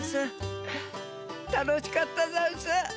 たのしかったざんす。